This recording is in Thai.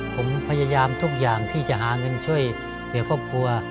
ผมพยายามทุกอย่างที่จะหาเงินช่วยเหลือครอบครัว